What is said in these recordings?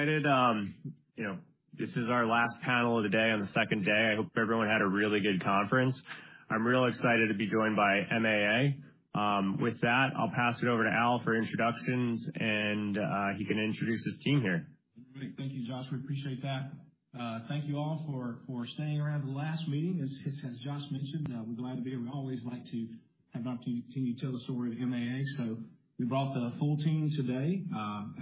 I did, you know, this is our last panel of the day on the second day. I hope everyone had a really good conference. I'm real excited to be joined by MAA. With that, I'll pass it over to Al for introductions, and he can introduce his team here. Great. Thank you, Josh. We appreciate that. Thank you all for staying around the last meeting. As Josh mentioned, we're glad to be here. We always like to have an opportunity to tell the story of MAA. So we brought the full team today,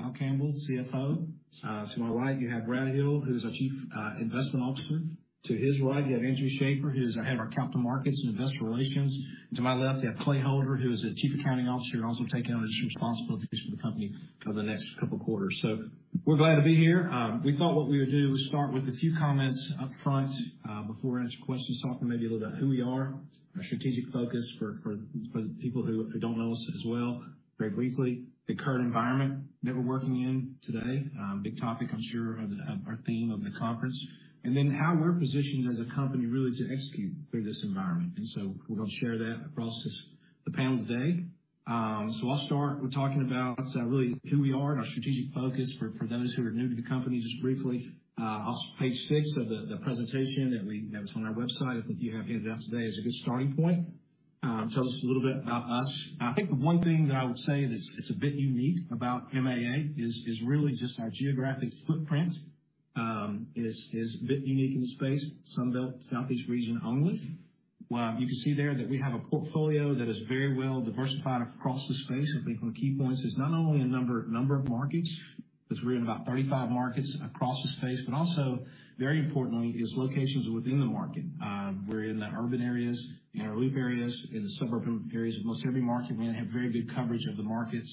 Al Campbell, CFO. To my right, you have Brad Hill, who's our Chief Investment Officer. To his right, you have Andrew Schaeffer, who's the head of our Capital Markets and Investor Relations. To my left, you have Clay Holder, who is the Chief Accounting Officer, and also taking on additional responsibilities for the company for the next couple quarters. So we're glad to be here. We thought what we would do is start with a few comments up front, before we answer questions, talking maybe a little about who we are, our strategic focus for the people who don't know us as well, very briefly. The current environment that we're working in today, big topic, I'm sure, of our theme of the conference, and then how we're positioned as a company, really, to execute through this environment. So we're gonna share that across this, the panel today. So I'll start with talking about really who we are and our strategic focus, for those who are new to the company, just briefly. Also, page six of the presentation that's on our website, I think you have it out today, is a good starting point. Tells us a little bit about us. I think the one thing that I would say that's, it's a bit unique about MAA is really just our geographic footprint, is a bit unique in the space, Sunbelt Southeast region only. You can see there that we have a portfolio that is very well diversified across the space. I think one of the key points is not only a number of markets, because we're in about 35 markets across the space, but also, very importantly, is locations within the market. We're in the urban areas, inner loop areas, in the suburban areas of most every market, and we have very good coverage of the markets.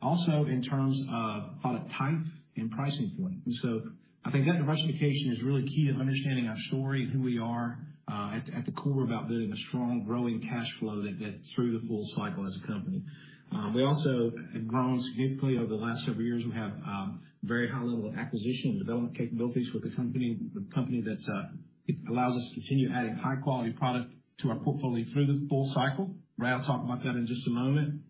Also, in terms of product type and pricing point, and so I think that diversification is really key to understanding our story and who we are at the core about building a strong, growing cash flow that through the full cycle as a company. We also have grown significantly over the last several years. We have very high level of acquisition and development capabilities with the company that allows us to continue adding high quality product to our portfolio through the full cycle. Brad will talk about that in just a moment.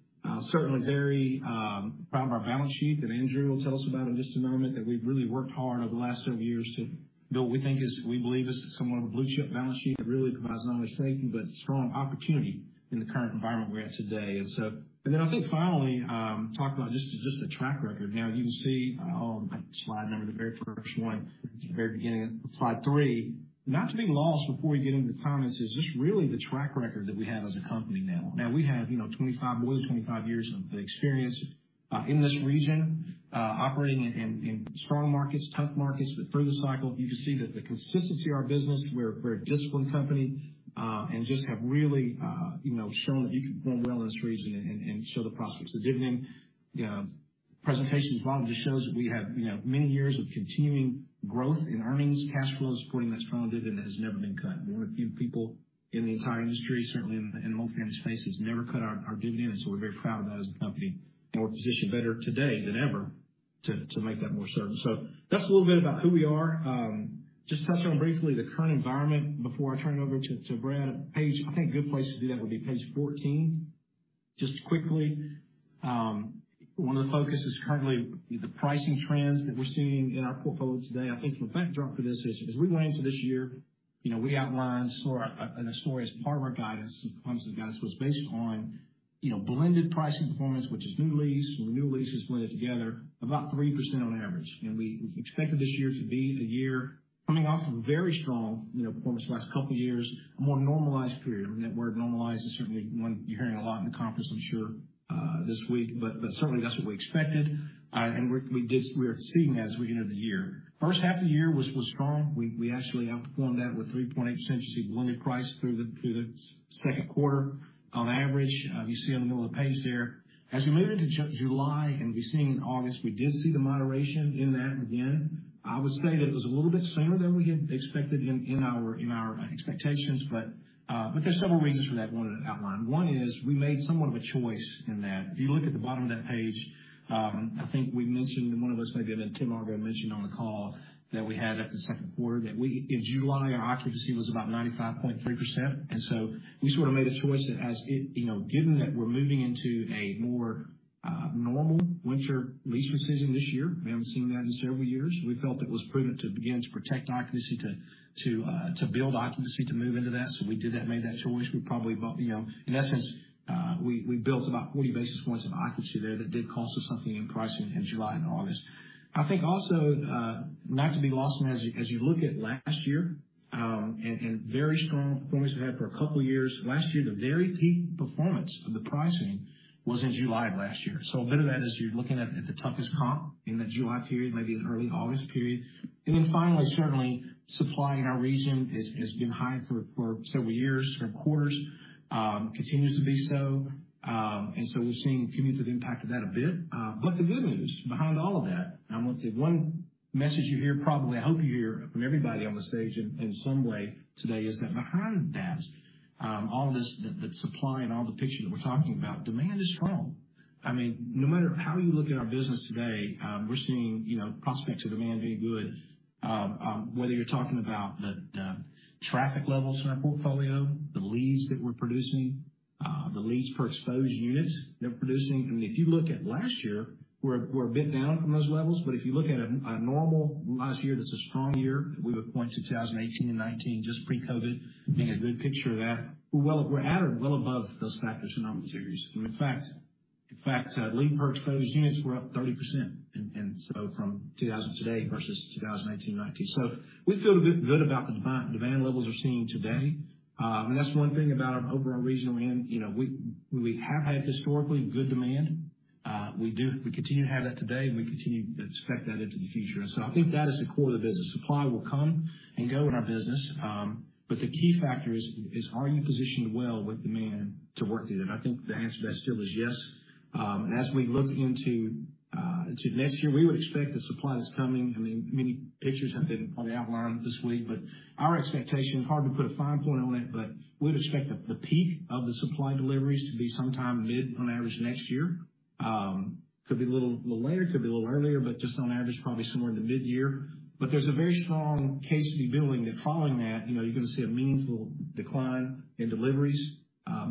Certainly very proud of our balance sheet, that Andrew will tell us about in just a moment, that we've really worked hard over the last several years to build what we think is, we believe is somewhat of a blue chip balance sheet that really provides not only safety, but strong opportunity in the current environment we're at today. And so... And then I think finally talk about just the track record. Now, you can see on slide number, the very first one, the very beginning, slide three. Not to be lost before we get into the comments, is just really the track record that we have as a company now. Now, we have, you know, 25, more than 25 years of experience, in this region, operating in strong markets, tough markets, but through the cycle, you can see that the consistency of our business, we're a disciplined company, and just have really, you know, shown that you can perform well in this region and show the prospects. The dividend presentation as well just shows that we have, you know, many years of continuing growth in earnings, cash flow, supporting that strong dividend that has never been cut. We're one of the few people in the entire industry, certainly in the multifamily space, that's never cut our dividend, so we're very proud of that as a company, and we're positioned better today than ever to make that more certain. So that's a little bit about who we are. Just touch on briefly the current environment before I turn it over to, to Brad. Page... I think a good place to do that would be page 14. Just quickly, one of the focuses currently, the pricing trends that we're seeing in our portfolio today. I think the backdrop for this is, as we went into this year, you know, we outlined a story as part of our guidance. Guidance was based on, you know, blended pricing performance, which is new lease. When a new lease is blended together, about 3% on average, and we expected this year to be a year coming off of a very strong, you know, performance the last couple of years, a more normalized period. I mean, that word normalized is certainly one you're hearing a lot in the conference, I'm sure, this week, but certainly that's what we expected. And we're seeing that as we end the year. First half of the year was strong. We actually outperformed that with 3.8% occupancy blended price through the second quarter on average. You see on the middle of the page there. As we moved into July, and we've seen in August, we did see the moderation in that again. I would say that it was a little bit sooner than we had expected in our expectations, but there's several reasons for that I wanted to outline. One is, we made somewhat of a choice in that. If you look at the bottom of that page, I think we mentioned, one of us, maybe even Tim Argo, mentioned on the call that we had at the second quarter, that we in July, our occupancy was about 95.3%, and so we sort of made a choice that as it, you know, given that we're moving into a more normal winter leasing season this year, we haven't seen that in several years. We felt it was prudent to begin to protect occupancy, to, to build occupancy, to move into that. So we did that, made that choice. We probably built, you know, in essence, we, we built about 40 basis points of occupancy there that did cost us something in pricing in July and August. I think also, not to be lost, and as you look at last year, and very strong performance we had for a couple of years. Last year, the very peak performance of the pricing was in July of last year. So a bit of that is you're looking at the toughest comp in that July period, maybe the early August period. And then finally, certainly, supply in our region has been high for several years, several quarters. Continues to be so, and so we're seeing communities that impact that a bit. But the good news behind all of that, and I want to say one message you hear, probably, I hope you hear from everybody on the stage in some way today, is that behind that-... All this, the supply and all the picture that we're talking about, demand is strong. I mean, no matter how you look at our business today, we're seeing, you know, prospects of demand being good. Whether you're talking about the traffic levels in our portfolio, the leads that we're producing, the leads per exposed units that we're producing. I mean, if you look at last year, we're a bit down from those levels, but if you look at a normal last year, that's a strong year, we would point to 2018 and '19, just pre-COVID, paint a good picture of that. We're at or well above those factors norm series. I mean, in fact, lead per exposed units were up 30%, and so from 2020 today versus 2018, '19. So we feel good about the demand levels we're seeing today. That's one thing about our overall region we're in, you know, we have had historically good demand. We continue to have that today, and we continue to expect that into the future. So I think that is the core of the business. Supply will come and go in our business, but the key factor is are you positioned well with demand to work through that? I think the answer to that still is yes. And as we look into next year, we would expect the supply that's coming. I mean, many pictures have been probably outlined this week, but our expectation, hard to put a fine point on it, but we'd expect the peak of the supply deliveries to be sometime mid, on average, next year. Could be a little later, could be a little earlier, but just on average, probably somewhere in the mid-year. But there's a very strong case to be building that following that, you know, you're going to see a meaningful decline in deliveries.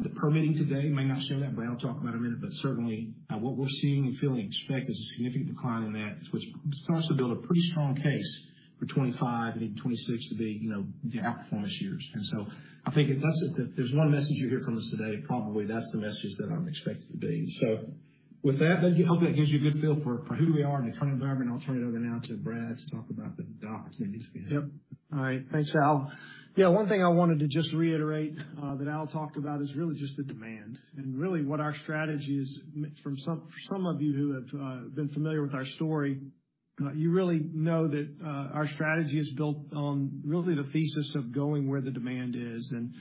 The permitting today may not show that, but I'll talk about it in a minute, but certainly what we're seeing and feeling expect is a significant decline in that, which starts to build a pretty strong case for 2025 and even 2026 to be, you know, outperformance years. And so I think if that's, if there's one message you hear from us today, probably that's the message that I'm expecting to be. So with that, then, hopefully, that gives you a good feel for who we are in the current environment. I'll turn it over now to Brad to talk about the opportunities we have. Yep. All right. Thanks, Al. Yeah, one thing I wanted to just reiterate that Al talked about is really just the demand, and really what our strategy is from some of you who have been familiar with our story, you really know that our strategy is built on really the thesis of going where the demand is, and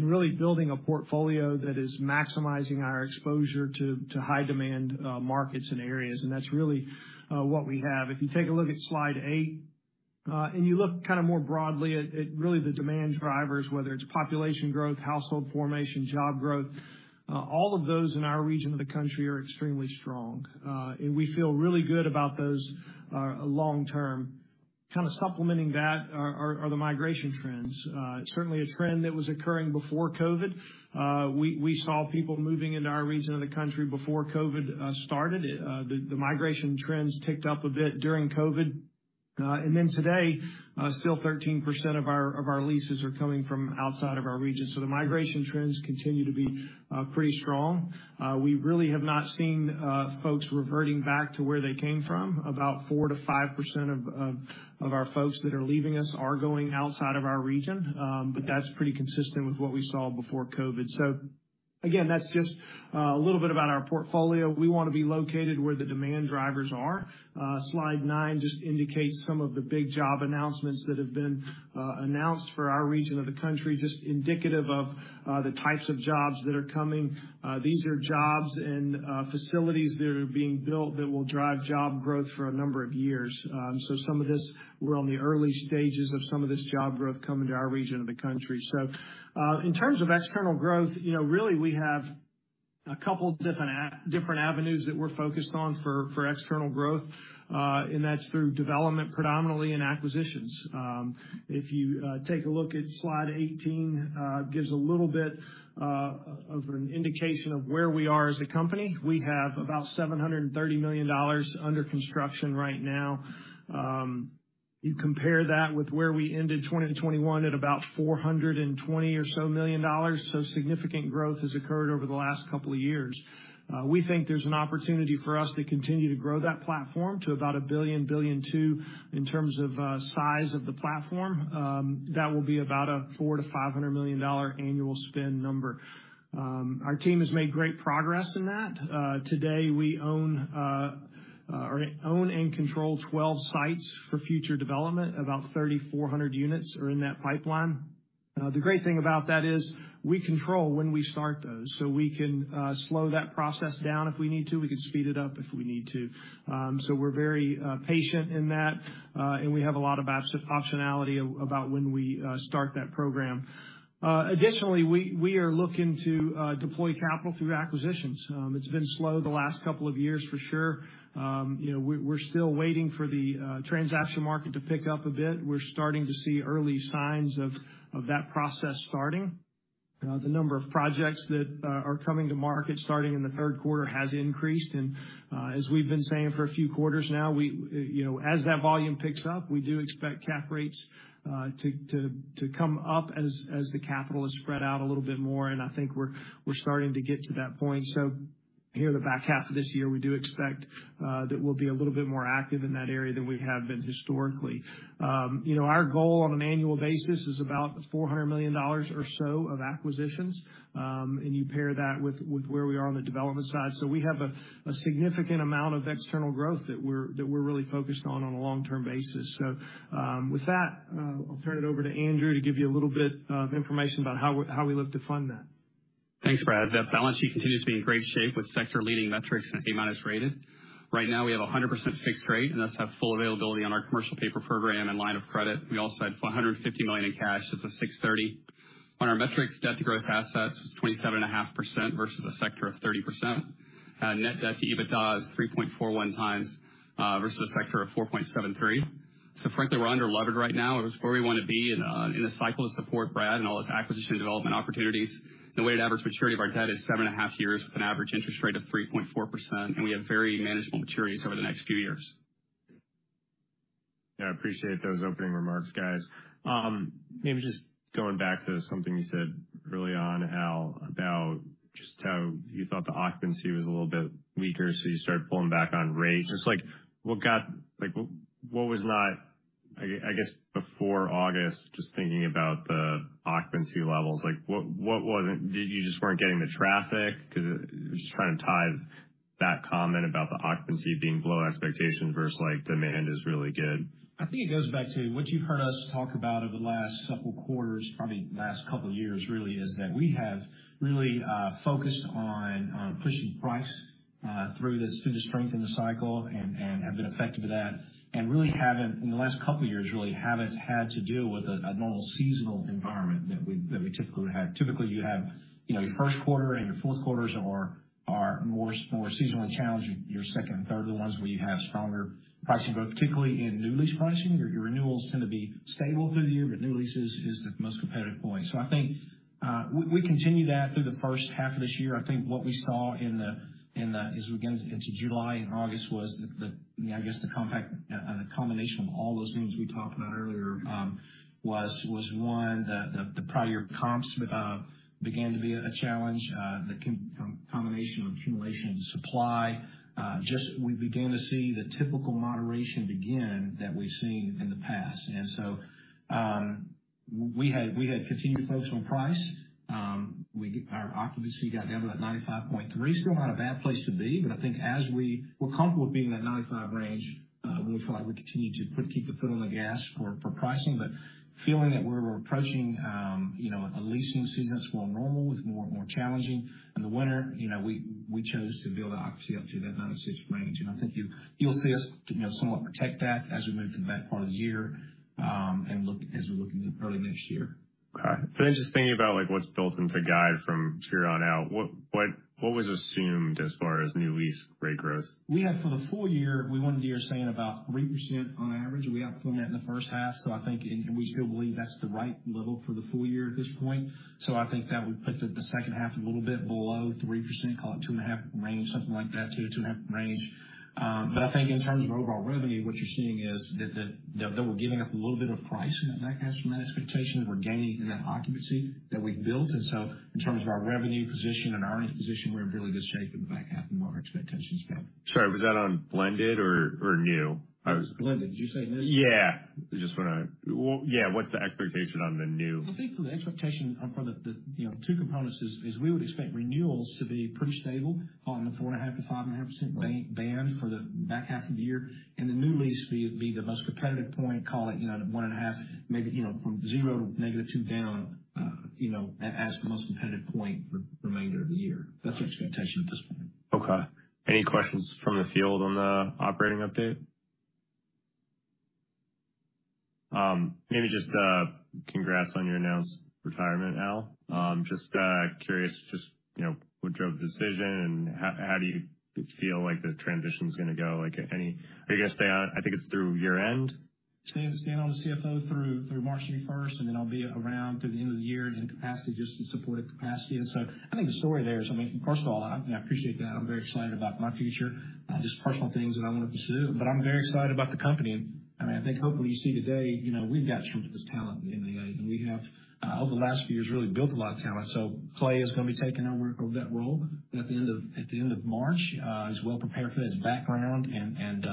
really building a portfolio that is maximizing our exposure to high-demand markets and areas, and that's really what we have. If you take a look at slide eight, and you look kind of more broadly at really the demand drivers, whether it's population growth, household formation, job growth, all of those in our region of the country are extremely strong. And we feel really good about those long term. Kind of supplementing that are the migration trends. It's certainly a trend that was occurring before COVID. We saw people moving into our region of the country before COVID started. The migration trends ticked up a bit during COVID. And then today, still 13% of our leases are coming from outside of our region. So the migration trends continue to be pretty strong. We really have not seen folks reverting back to where they came from. About 4%-5% of our folks that are leaving us are going outside of our region, but that's pretty consistent with what we saw before COVID. So again, that's just a little bit about our portfolio. We want to be located where the demand drivers are. Slide nine just indicates some of the big job announcements that have been announced for our region of the country, just indicative of the types of jobs that are coming. These are jobs and facilities that are being built that will drive job growth for a number of years. So some of this, we're on the early stages of some of this job growth coming to our region of the country. So, in terms of external growth, you know, really, we have a couple different avenues that we're focused on for external growth, and that's through development, predominantly in acquisitions. If you take a look at slide 18, it gives a little bit of an indication of where we are as a company. We have about $730 million under construction right now. You compare that with where we ended 2021 at about $420 million or so, so significant growth has occurred over the last couple of years. We think there's an opportunity for us to continue to grow that platform to about $1 billion-$1.2 billion, in terms of size of the platform. That will be about a $400 million-$500 million annual spend number. Our team has made great progress in that. Today, we own and control 12 sites for future development. About 3,400 units are in that pipeline. The great thing about that is we control when we start those, so we can slow that process down if we need to. We can speed it up if we need to. So we're very patient in that, and we have a lot of optionality about when we start that program. Additionally, we are looking to deploy capital through acquisitions. It's been slow the last couple of years, for sure. You know, we're still waiting for the transaction market to pick up a bit. We're starting to see early signs of that process starting. The number of projects that are coming to market starting in the third quarter has increased, and as we've been saying for a few quarters now, we, you know, as that volume picks up, we do expect cap rates to come up as the capital is spread out a little bit more, and I think we're starting to get to that point. So here in the back half of this year, we do expect that we'll be a little bit more active in that area than we have been historically. You know, our goal on an annual basis is about $400 million or so of acquisitions, and you pair that with where we are on the development side. So we have a significant amount of external growth that we're really focused on a long-term basis. So, with that, I'll turn it over to Andrew to give you a little bit of information about how we look to fund that. ... Thanks, Brad. The balance sheet continues to be in great shape with sector leading metrics and A-minus rated. Right now, we have 100% fixed rate, and thus have full availability on our commercial paper program and line of credit. We also had $150 million in cash as of June 30. On our metrics, debt to gross assets was 27.5% versus a sector of 30%. Net debt to EBITDA is 3.41x versus a sector of 4.73. So frankly, we're underlevered right now, it's where we wanna be in the cycle to support Brad and all his acquisition and development opportunities. The weighted average maturity of our debt is 7.5 years, with an average interest rate of 3.4%, and we have very manageable maturities over the next few years. Yeah, I appreciate those opening remarks, guys. Maybe just going back to something you said early on, Al, about just how you thought the occupancy was a little bit weaker, so you started pulling back on rates. Just like, what was not... I guess, before August, just thinking about the occupancy levels, like, what wasn't—did you just weren't getting the traffic? Because, just trying to tie that comment about the occupancy being below expectations versus, like, demand is really good. I think it goes back to what you've heard us talk about over the last several quarters, probably the last couple of years, really, is that we have really, focused on, on pushing price, through this, through the strength in the cycle and, and have been effective with that. And really haven't, in the last couple of years, really haven't had to deal with a, a normal seasonal environment that we, that we typically would have. Typically, you have, you know, your first quarter and your fourth quarters are, are more, more seasonally challenging. Your second and third are the ones where you have stronger pricing, but particularly in new lease pricing, your, your renewals tend to be stable through the year, but new leases is the most competitive point. So I think, we, we continued that through the first half of this year. I think what we saw in the as we got into July and August was the you know I guess the impact and the combination of all those moves we talked about earlier was one the prior comps began to be a challenge the combination of accumulation and supply. Just we began to see the typical moderation begin that we've seen in the past. And so we had continued focus on price. Our occupancy got down to that 95.3. Still not a bad place to be, but I think as we... We're comfortable with being in that 95 range. We feel like we continue to keep the foot on the gas for pricing, but feeling that we're approaching, you know, a leasing season that's more normal, with more challenging in the winter, you know. We chose to build our occupancy up to that 96 range, and I think you'll see us, you know, somewhat protect that as we move to the back part of the year, and look as we look into early next year. Okay. But then just thinking about, like, what's built into the guide from here on out, what, what, what was assumed as far as new lease rate growth? We have for the full year, we want to be saying about 3% on average. We outperformed that in the first half, so I think, and we still believe that's the right level for the full year at this point. So I think that would put the, the second half a little bit below 3%, call it 2.5 range, something like that, to 2.5 range. But I think in terms of overall revenue, what you're seeing is that the, that we're giving up a little bit of pricing in the back half from that expectation, and we're gaining in that occupancy that we've built. And so in terms of our revenue position and our earning position, we're in really good shape in the back half and where our expectations go. Sorry, was that on blended or new? That was blended. Did you say new? Yeah. Well, yeah, what's the expectation on the new? I think the expectation for the, you know, two components is we would expect renewals to be pretty stable on the 4.5%-5.5% band for the back half of the year, and the new lease fee would be the most competitive point, call it, you know, the 1.5%, maybe, you know, from 0% to -2% down as the most competitive point for the remainder of the year. That's the expectation at this point. Okay. Any questions from the field on the operating update? Maybe just congrats on your announced retirement, Al. Just curious, just, you know, what drove the decision, and how do you feel like the transition is gonna go? Like, any—are you gonna stay on, I think it's through year-end? Staying on as CFO through March 31st, and then I'll be around through the end of the year in a supportive capacity. So I think the story there is, I mean, first of all, I appreciate that. I'm very excited about my future, just personal things that I want to pursue, but I'm very excited about the company. And I think, hopefully, you see today, you know, we've got tremendous talent in the MAA, and we have, over the last few years, really built a lot of talent. So Clay is gonna be taking over that role at the end of March. He's well prepared for this with background and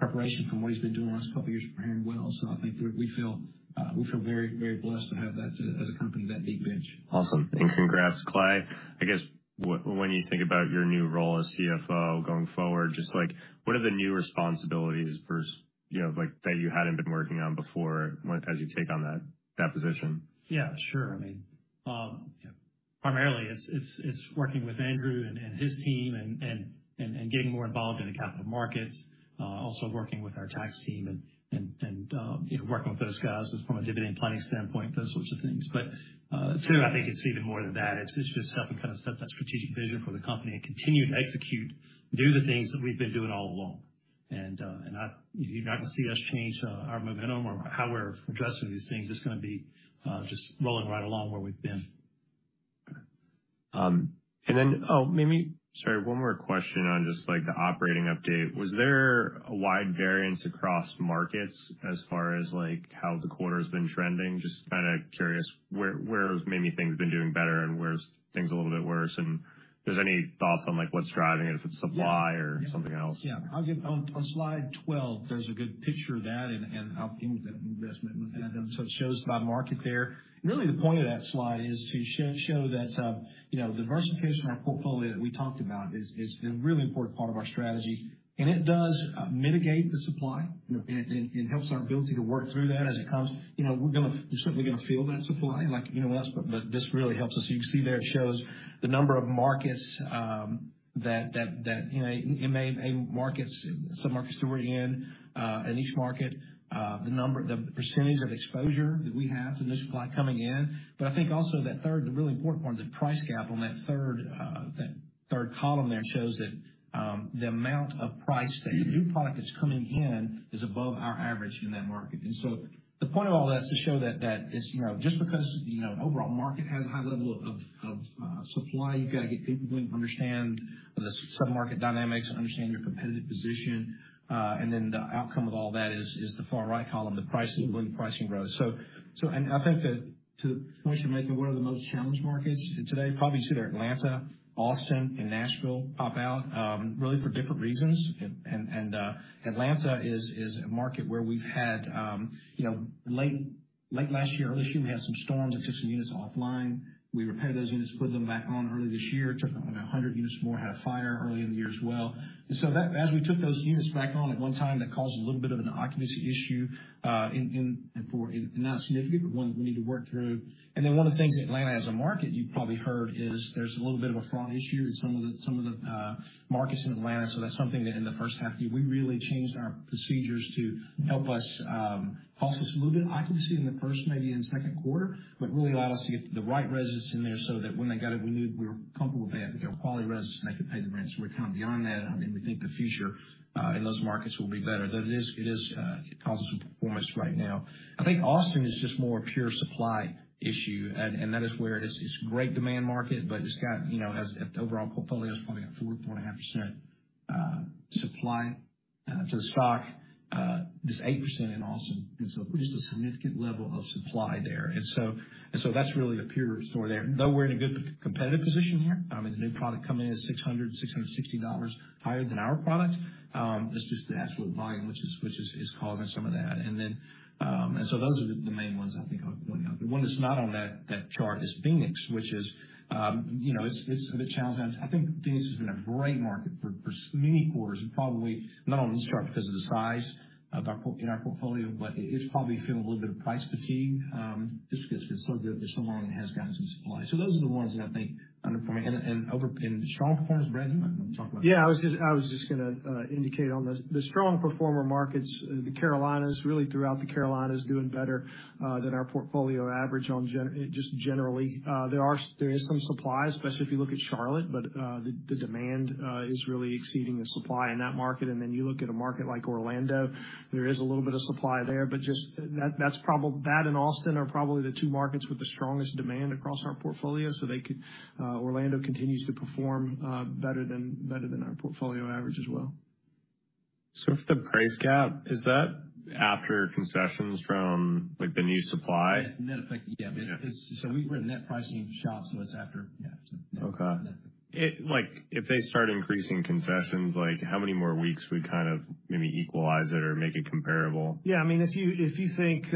preparation from what he's been doing the last couple of years, preparing well. So I think we feel very, very blessed to have that as a company, that deep bench. Awesome, and congrats, Clay. I guess, what... When you think about your new role as CFO going forward, just like, what are the new responsibilities versus, you know, like, that you hadn't been working on before when- as you take on that, that position? Yeah, sure. I mean, primarily it's working with Andrew and his team and getting more involved in the capital markets, also working with our tax team and, you know, working with those guys just from a dividend planning standpoint, those sorts of things. But, so I think it's even more than that. It's just helping kind of set that strategic vision for the company and continue to execute, do the things that we've been doing all along. And, I-- you're not gonna see us change our momentum or how we're addressing these things. It's gonna be just rolling right along where we've been. Sorry, one more question on just, like, the operating update. Was there a wide variance across markets as far as, like, how the quarter's been trending? Just kind of curious where maybe things have been doing better and where's things a little bit worse, and if there's any thoughts on, like, what's driving it, if it's supply or something else? Yeah. I'll give. On slide 12, there's a good picture of that and how investment with that. So it shows by market there. Really, the point of that slide is to show that, you know, diversification in our portfolio that we talked about is a really important part of our strategy, and it does mitigate the supply, you know, and helps our ability to work through that as it comes. You know, we're gonna. We're certainly gonna feel that supply, like, you know, but this really helps us. You can see there, it shows the number of markets, you know, many markets, some markets that we're in, in each market, the number, the percentage of exposure that we have to new supply coming in. But I think also that third, the really important one, the price gap on that third, third column there shows that, the amount of price that new product is coming in is above our average in that market. And so the point of all that is to show that, that is, you know, just because, you know, overall market has a high level of supply, you've got to get people going to understand the sub-market dynamics, understand your competitive position, and then the outcome of all that is, is the far right column, the pricing, when pricing grows. So and I think that to the point you're making, what are the most challenged markets today? Probably sit there, Atlanta, Austin, and Nashville pop out, really for different reasons. Atlanta is a market where we've had, you know, late last year, early this year, we had some storms that took some units offline. We repaired those units, put them back on early this year, took on about 100 units more, had a fire early in the year as well. And so that as we took those units back on, at one time, that caused a little bit of an occupancy issue, not significant, but one that we need to work through. And then one of the things in Atlanta as a market, you probably heard, is there's a little bit of a fraud issue in some of the markets in Atlanta. So that's something that in the first half year, we really changed our procedures to help us, cost us a little bit of occupancy in the first, maybe in the second quarter, but really allowed us to get the right residents in there so that when they got it, we knew we were comfortable that we got quality residents, and they could pay the rents. We're kind of beyond that, and we think the future in those markets will be better, though it is, it causes some performance right now. I think Austin is just more a pure supply issue, and that is where it's, it's great demand market, but it's got, you know, has the overall portfolio is probably at 4-4.5% supply. To the stock, it's 8% in Austin, and so just a significant level of supply there. And so that's really a pure story there. Though we're in a good competitive position here, I mean, the new product coming in is $660 higher than our product. It's just the absolute volume, which is causing some of that. And then those are the main ones I think I would point out. The one that's not on that chart is Phoenix, which is, you know, it's a bit challenging. I think Phoenix has been a great market for many quarters, and probably not on this chart because of the size of our—in our portfolio, but it's probably feeling a little bit of price fatigue, just because it's so good for so long and has gotten some supply. So those are the ones that I think underperforming and over- and strong performers. Brad, you might want to talk about that. Yeah, I was just gonna indicate on the strong performer markets, the Carolinas, really throughout the Carolinas, doing better than our portfolio average just generally. There is some supply, especially if you look at Charlotte, but the demand is really exceeding the supply in that market. And then you look at a market like Orlando, there is a little bit of supply there, but that and Austin are probably the two markets with the strongest demand across our portfolio. So they could... Orlando continues to perform better than our portfolio average as well. If the price gap is that after concessions from, like, the new supply? Net effect, yeah. Yeah. We're a net pricing shop, so it's after, yeah, so- Okay. It's like, if they start increasing concessions, like, how many more weeks we kind of maybe equalize it or make it comparable? Yeah, I mean, if you think,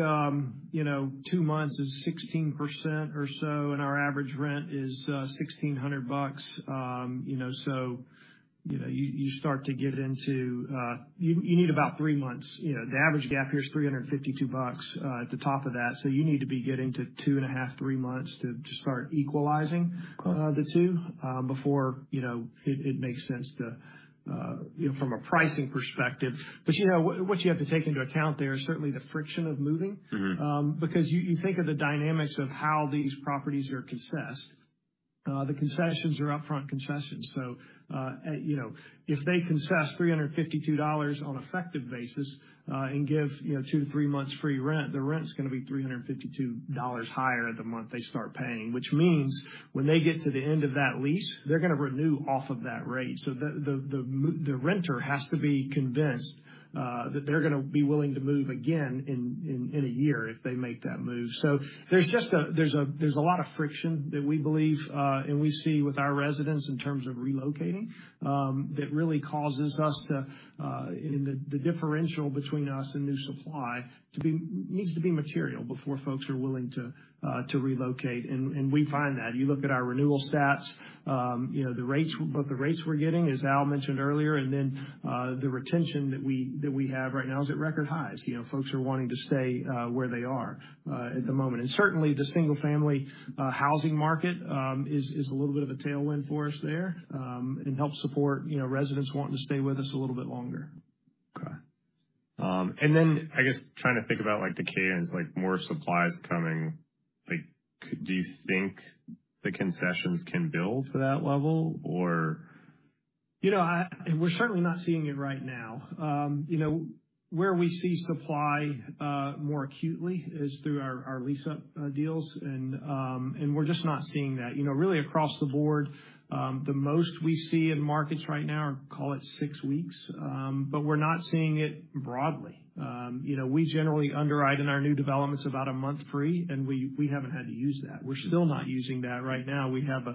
you know, two months is 16% or so, and our average rent is $1,600, you know, so, you know, you start to get into, you need about three months. You know, the average gap here is $352 at the top of that. So you need to be getting to two and a half, three months to start equalizing- Okay. The two before, you know, it makes sense to, you know, from a pricing perspective. But, you know, what you have to take into account there is certainly the friction of moving. Because you, you think of the dynamics of how these properties are concessed. The concessions are upfront concessions. So, you know, if they concess $352 on effective basis, and give, you know, two to three months free rent, the rent is gonna be $352 higher the month they start paying. Which means when they get to the end of that lease, they're gonna renew off of that rate. So the renter has to be convinced, that they're gonna be willing to move again in a year if they make that move. So there's just a lot of friction that we believe and we see with our residents in terms of relocating that really causes the differential between us and new supply to be, needs to be material before folks are willing to relocate, and we find that. You look at our renewal stats, you know, the rates, both the rates we're getting, as Al mentioned earlier, and then the retention that we have right now is at record highs. You know, folks are wanting to stay where they are at the moment. And certainly, the single-family housing market is a little bit of a tailwind for us there and helps support, you know, residents wanting to stay with us a little bit longer. Okay. And then, I guess, trying to think about like the cadence, like, more supply is coming, like, do you think the concessions can build to that level, or? You know, we're certainly not seeing it right now. You know, where we see supply more acutely is through our lease-up deals, and we're just not seeing that. You know, really across the board, the most we see in markets right now are, call it six weeks, but we're not seeing it broadly. You know, we generally underwrite in our new developments about a month free, and we haven't had to use that. We're still not using that right now. We have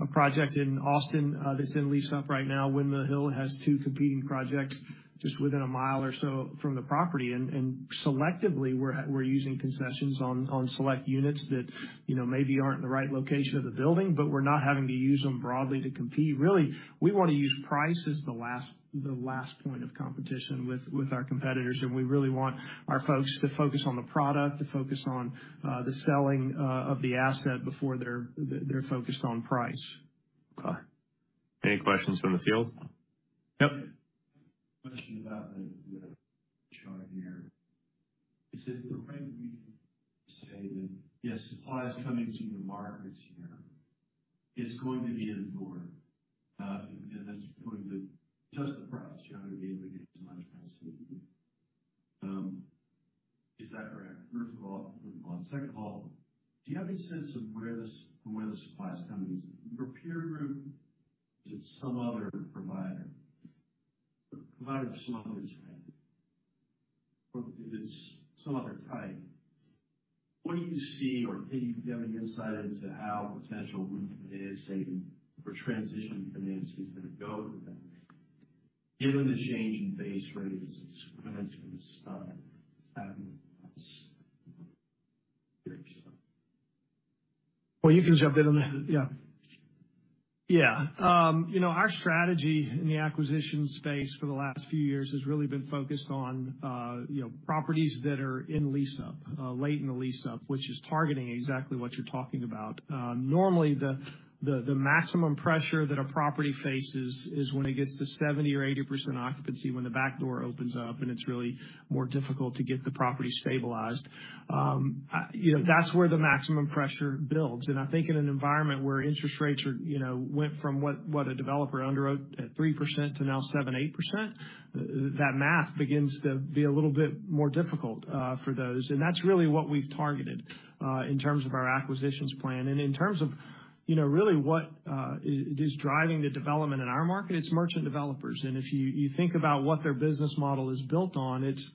a project in Austin that's in lease-up right now. Windmill Hill has two competing projects just within a mile or so from the property, and selectively, we're using concessions on select units that, you know, maybe aren't in the right location of the building, but we're not having to use them broadly to compete. Really, we want to use price as the last point of competition with our competitors, and we really want our folks to focus on the product, to focus on the selling of the asset before they're focused on price. Okay. Any questions from the field? Yep. Question about the chart here.... Is it the right way to say that, yes, supply is coming to the markets here is going to be in for, and that's going to test the price. You're not going to be able to get as much price as you do. Is that correct, first of all? Second of all, do you have any sense of where this, from where the supply is coming? Is it your peer group? Is it some other provider? The provider is small, or if it's some other type, what do you see, or do you have any insight into how potential refinancing or transitioning financing is gonna go with that, given the change in base rates and issuance from the stock that's happened? Well, you can jump in on that. Yeah. Yeah. You know, our strategy in the acquisition space for the last few years has really been focused on, you know, properties that are in lease-up, late in the lease-up, which is targeting exactly what you're talking about. Normally, the maximum pressure that a property faces is when it gets to 70% or 80% occupancy, when the back door opens up, and it's really more difficult to get the property stabilized. You know, that's where the maximum pressure builds. And I think in an environment where interest rates, you know, went from what a developer underwrote at 3% to now 7%-8%, that math begins to be a little bit more difficult, for those. And that's really what we've targeted, in terms of our acquisitions plan. In terms of, you know, really what is driving the development in our market, it's merchant developers. If you think about what their business model is built on, it's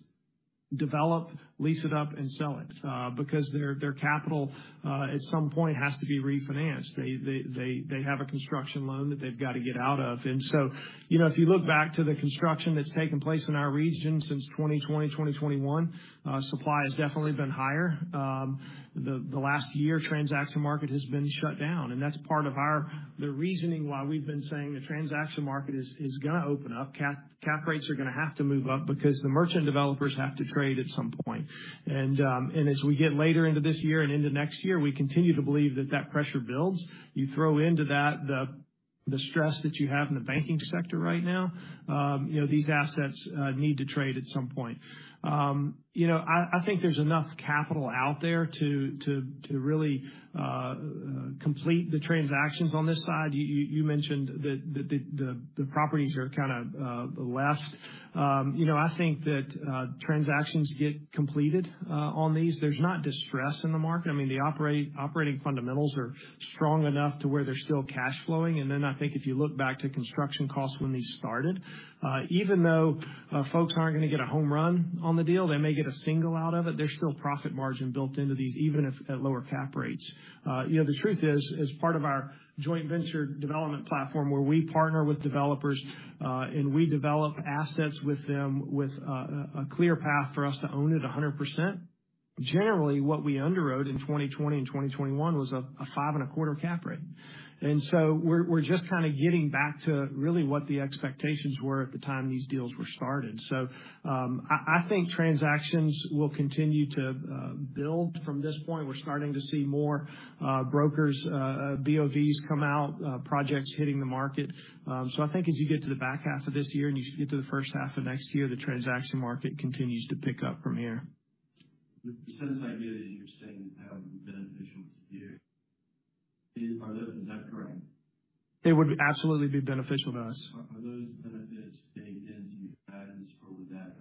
develop, lease it up, and sell it, because their capital, at some point, has to be refinanced. They have a construction loan that they've got to get out of. So, you know, if you look back to the construction that's taken place in our region since 2020, 2021, supply has definitely been higher. The last year, the transaction market has been shut down, and that's part of the reasoning why we've been saying the transaction market is gonna open up. Cap rates are gonna have to move up because the merchant developers have to trade at some point. As we get later into this year and into next year, we continue to believe that that pressure builds. You throw into that the stress that you have in the banking sector right now, you know, these assets need to trade at some point. You know, I think there's enough capital out there to really complete the transactions on this side. You mentioned that the properties are kind of the last. You know, I think that transactions get completed on these. There's not distress in the market. I mean, the operating fundamentals are strong enough to where they're still cash flowing. Then I think if you look back to construction costs when these started, even though folks aren't gonna get a home run on the deal, they may get a single out of it, there's still profit margin built into these, even if at lower cap rates. You know, the truth is, as part of our joint venture development platform, where we partner with developers, and we develop assets with them with a clear path for us to own it 100%, generally, what we underwrote in 2020 and 2021 was a 5.25 cap rate. And so we're just kind of getting back to really what the expectations were at the time these deals were started. I think transactions will continue to build from this point. We're starting to see more brokers' BOVs come out, projects hitting the market. So I think as you get to the back half of this year, and you get to the first half of next year, the transaction market continues to pick up from here. The sense idea that you're saying have beneficial to you, is that correct? It would absolutely be beneficial to us. Are those benefits baked into your guidance, or would that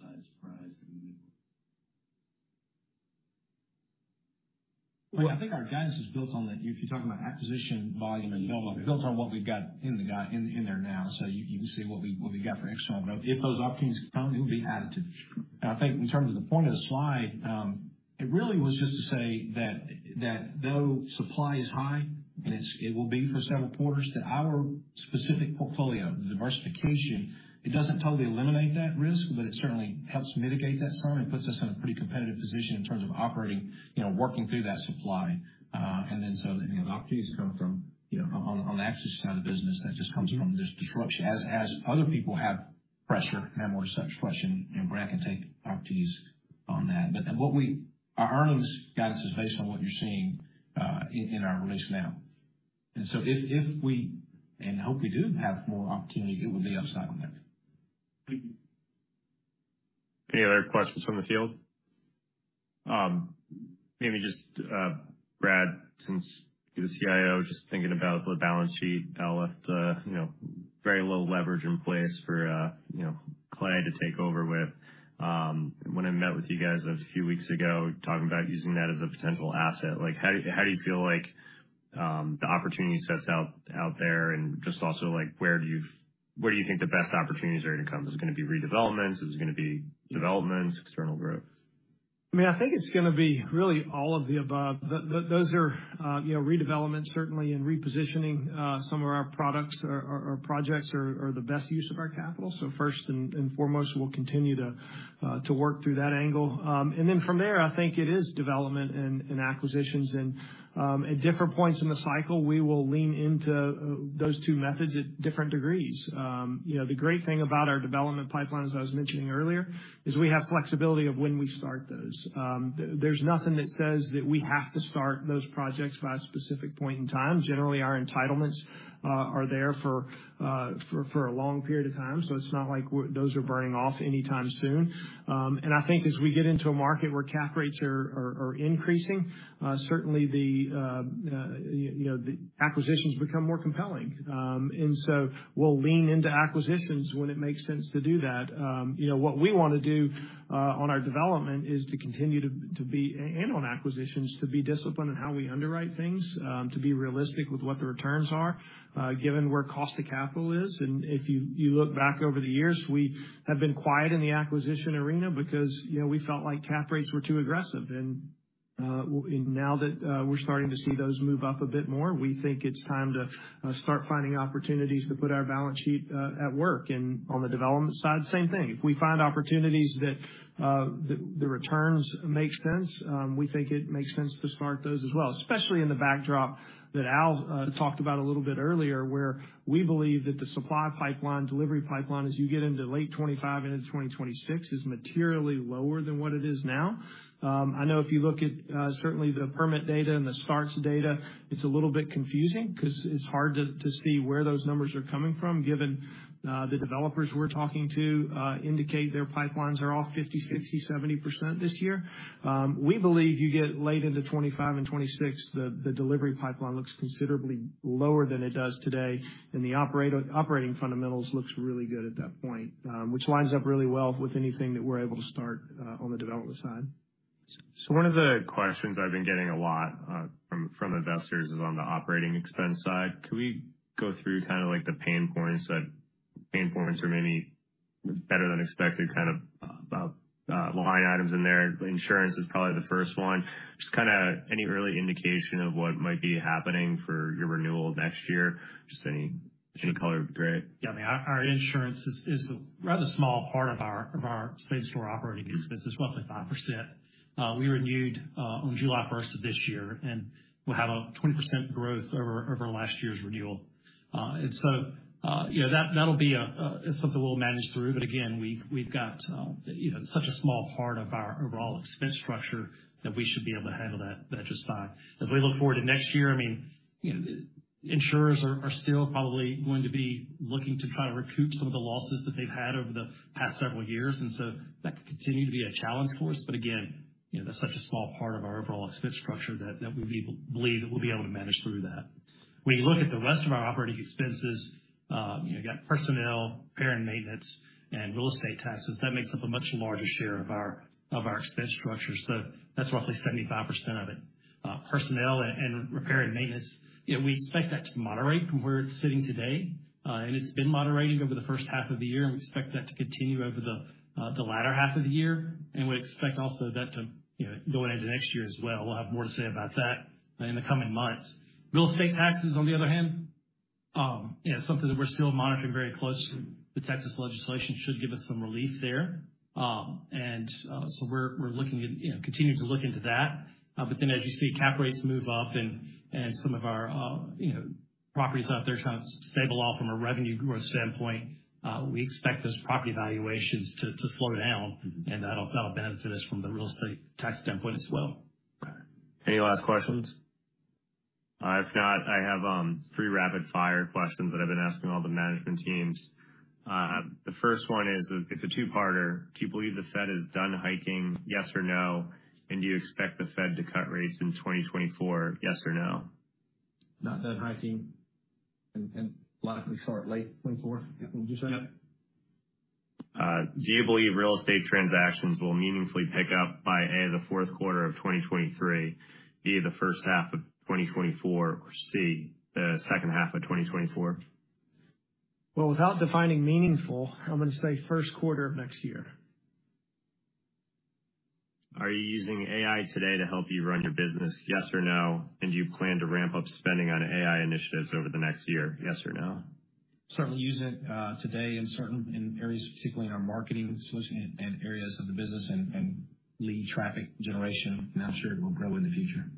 size surprise you? Well, I think our guidance is built on that. If you're talking about acquisition volume and build, built on what we've got in the guide there now. So you can see what we've got for next quarter. But if those opportunities come, it will be added to. And I think in terms of the point of the slide, it really was just to say that though supply is high, and it will be for several quarters, that our specific portfolio, the diversification, it doesn't totally eliminate that risk, but it certainly helps mitigate that some and puts us in a pretty competitive position in terms of operating, you know, working through that supply. And so, you know, opportunities come from, you know, on the acquisition side of the business, that just comes from this disruption. As other people have questions, you know, Brad can take opportunities on that. But our earnings guidance is based on what you're seeing in our release now. And so if we do have more opportunities, it would be upside on that. Any other questions from the field? Maybe just, Brad, since you're the CIO, just thinking about the balance sheet, Al left a, you know, very low leverage in place for, you know, Clay to take over with. When I met with you guys a few weeks ago, talking about using that as a potential asset, like, how do you, how do you feel like, the opportunity sets out there, and just also, like, where do you think the best opportunities are going to come? Is it gonna be redevelopments? Is it gonna be developments, external growth? ... I mean, I think it's gonna be really all of the above. Those are, you know, redevelopments, certainly, and repositioning some of our products or projects are the best use of our capital. So first and foremost, we'll continue to work through that angle. And then from there, I think it is development and acquisitions, and at different points in the cycle, we will lean into those two methods at different degrees. You know, the great thing about our development pipeline, as I was mentioning earlier, is we have flexibility of when we start those. There's nothing that says that we have to start those projects by a specific point in time. Generally, our entitlements are there for a long period of time, so it's not like those are burning off anytime soon. And I think as we get into a market where cap rates are increasing, certainly you know, the acquisitions become more compelling. And so we'll lean into acquisitions when it makes sense to do that. You know, what we wanna do on our development is to continue to be and on acquisitions, to be disciplined in how we underwrite things, to be realistic with what the returns are, given where cost of capital is. And if you look back over the years, we have been quiet in the acquisition arena because, you know, we felt like cap rates were too aggressive. And now that we're starting to see those move up a bit more, we think it's time to start finding opportunities to put our balance sheet at work. And on the development side, same thing. If we find opportunities that the returns make sense, we think it makes sense to start those as well, especially in the backdrop that Al talked about a little bit earlier, where we believe that the supply pipeline, delivery pipeline, as you get into late 2025 and into 2026, is materially lower than what it is now. I know if you look at certainly the permit data and the starts data, it's a little bit confusing because it's hard to see where those numbers are coming from, given the developers we're talking to indicate their pipelines are off 50%-70% this year. We believe you get late into 2025 and 2026, the delivery pipeline looks considerably lower than it does today, and the operating fundamentals looks really good at that point, which lines up really well with anything that we're able to start on the development side. So one of the questions I've been getting a lot, from, from investors is on the operating expense side. Can we go through kind of like the pain points that, pain points or maybe better-than-expected kind of, line items in there? Insurance is probably the first one. Just kind of any early indication of what might be happening for your renewal next year? Just any, any color would be great. Yeah, I mean, our insurance is a rather small part of our same-store operating expenses, roughly 5%. We renewed on July first of this year, and we'll have a 20% growth over last year's renewal. And so, you know, that, that'll be a something we'll manage through. But again, we've got, you know, such a small part of our overall expense structure that we should be able to handle that just fine. As we look forward to next year, I mean, you know, insurers are still probably going to be looking to try to recoup some of the losses that they've had over the past several years, and so that could continue to be a challenge for us. But again, you know, that's such a small part of our overall expense structure that we believe that we'll be able to manage through that. When you look at the rest of our operating expenses, you know, you got personnel, repair and maintenance, and real estate taxes, that makes up a much larger share of our expense structure. So that's roughly 75% of it. Personnel and repair and maintenance, you know, we expect that to moderate from where it's sitting today, and it's been moderating over the first half of the year, and we expect that to continue over the latter half of the year. We expect also that to, you know, going into next year as well. We'll have more to say about that in the coming months. Real estate taxes, on the other hand, you know, something that we're still monitoring very closely. The Texas legislation should give us some relief there. So we're, we're looking at, you know, continuing to look into that. But then as you see, cap rates move up and, and some of our, you know, properties out there trying to stabilize off from a revenue growth standpoint, we expect those property valuations to, to slow down, and that'll, that'll benefit us from the real estate tax standpoint as well. Any last questions? Scott, I have three rapid-fire questions that I've been asking all the management teams. The first one is, it's a two-parter: Do you believe the Fed is done hiking, yes or no? And do you expect the Fed to cut rates in 2024, yes or no? Not done hiking, and likely start late 2024. Would you say? Do you believe real estate transactions will meaningfully pick up by, A, the fourth quarter of 2023, B, the first half of 2024, or, C, the second half of 2024? Well, without defining meaningful, I'm gonna say first quarter of next year. Are you using AI today to help you run your business, yes or no? And do you plan to ramp up spending on AI initiatives over the next year, yes or no? Certainly using it today in certain areas, particularly in our marketing solution and areas of the business and lead traffic generation, and I'm sure it will grow in the future.